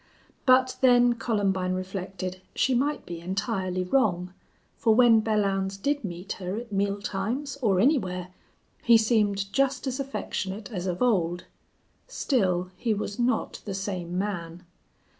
But then, Columbine reflected, she might be entirely wrong, for when Belllounds did meet her at meal times, or anywhere, he seemed just as affectionate as of old. Still he was not the same man.